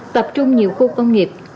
tập trung nhiều khu công nghiệp